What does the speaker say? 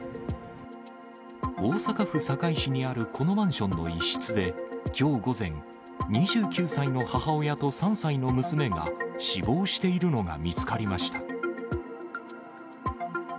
大阪府堺市にあるこのマンションの一室で、きょう午前、２９歳の母親と３歳の娘が死亡しているのが見つかりました。